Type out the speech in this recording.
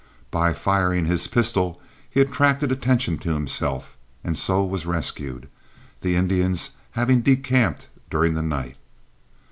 By firing his pistol he attracted attention to himself and so was rescued, the Indians having decamped during the night.